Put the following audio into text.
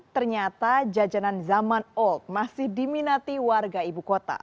ternyata jajanan zaman old masih diminati warga ibu kota